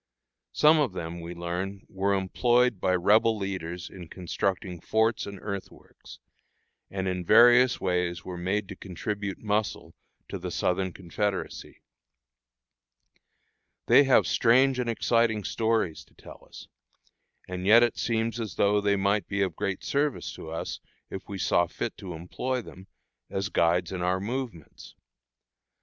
Some of them, we learn, were employed by Rebel leaders in constructing forts and earthworks, and in various ways were made to contribute muscle to the Southern Confederacy. They have strange and exciting stories to tell us, and yet it seems as though they might be of great service to us, if we saw fit to employ them, as guides in our movements.